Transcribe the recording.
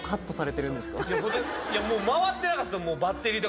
いやもう回ってなかったんです。